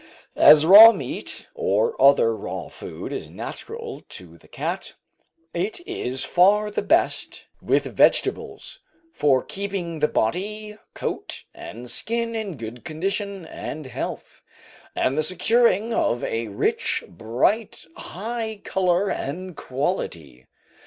As raw meat or other raw food is natural to the cat, it is far the best, with vegetables, for keeping the body, coat, and skin in good condition and health, and the securing of a rich, bright, high colour and quality.